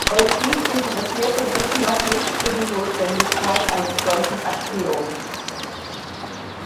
Euklid interessierte sich noch nicht für die Notwendigkeit eines solchen Axioms.